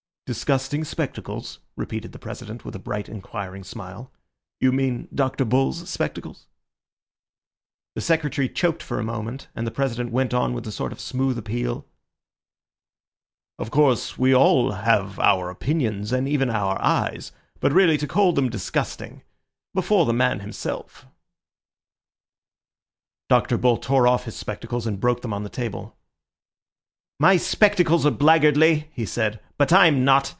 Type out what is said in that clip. "Disgusting spectacles?" repeated the President, with a bright, inquiring smile. "You mean Dr. Bull's spectacles?" The Secretary choked for a moment, and the President went on with a sort of smooth appeal— "Of course, we all have our opinions and even our eyes, but really to call them disgusting before the man himself—" Dr. Bull tore off his spectacles and broke them on the table. "My spectacles are blackguardly," he said, "but I'm not.